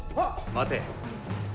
待て。